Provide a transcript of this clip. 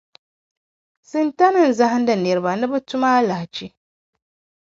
Sintani n-zahindi niriba ni bɛ tum alahachi.